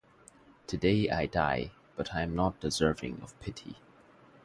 Today I die, but I am not deserving of pity.